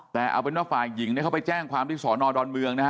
แต่เอาเป็นว่าฝ่ายหญิงเนี่ยเขาไปแจ้งความที่สอนอดอนเมืองนะฮะ